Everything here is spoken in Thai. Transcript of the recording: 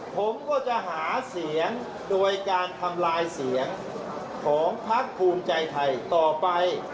ผมก็จะหาเสียงโดยการทำลายเสียงของพักภูมิใจไทยต่อไป